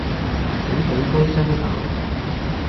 請舉高雙手